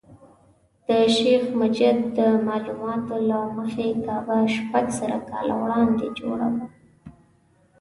د شیخ مجید د معلوماتو له مخې کعبه شپږ زره کاله وړاندې جوړه شوه.